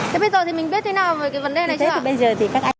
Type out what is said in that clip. thế bây giờ thì mình biết thế nào về cái vấn đề này chưa ạ